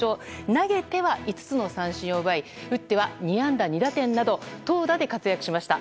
投げては５つの三振を奪い打っては２安打２打点など投打で活躍しました。